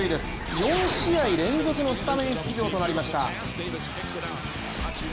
４試合連続のスタメン出場となりました。